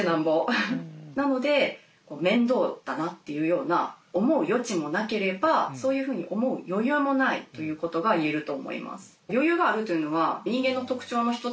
なのでめんどうだなっていうような思う余地もなければそういうふうに思う余裕もないということが言えると思います。